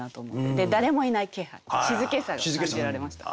で誰もいない気配静けさが感じられました。